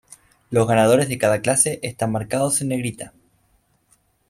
Los ganadores de cada clase están marcados en negrita.